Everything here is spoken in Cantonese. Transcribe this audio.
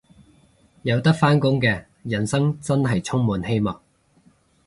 有得返工嘅人生真係充滿希望